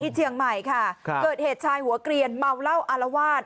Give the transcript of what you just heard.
เชียงใหม่ค่ะครับเกิดเหตุชายหัวเกลียนเมาเหล้าอารวาส